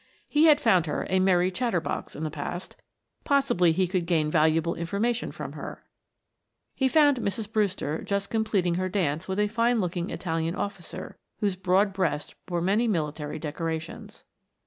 He had found her a merry chatter box in the past, possibly he could gain valuable information from her. He found Mrs. Brewster just completing her dance with a fine looking Italian officer whose broad breast bore many military decorations.